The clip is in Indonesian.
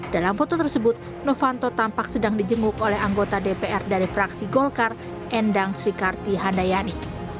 dalam foto tersebut novanto tampak sedang dijenguk oleh anggota dpr dari fraksi golkar endang srikarti handayani